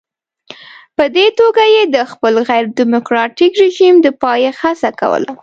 په دې توګه یې د خپل غیر ډیموکراټیک رژیم د پایښت هڅه کوله.